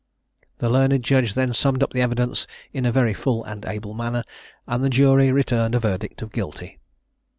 The learned judge then summed up the evidence in a very full and able manner, and the jury returned a verdict of Guilty.